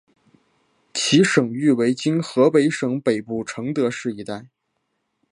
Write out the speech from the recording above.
其省域为今河北省北部承德市一带。